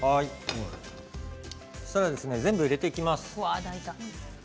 そうしたらですね全部入れていきます。